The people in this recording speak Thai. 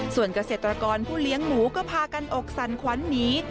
ส่วนเกษตรกรผู้เลี้ยงหมูก็พากันอกสั่นขวัญหนี